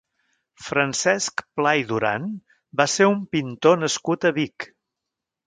Francesc Pla i Duran va ser un pintor nascut a Vic.